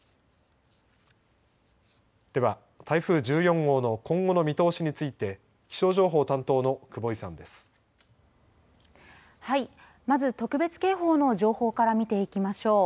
では、台風１４号の今後の見通しについてまず特別警報の情報から見ていきましょう。